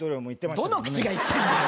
どの口が言ってんだよ。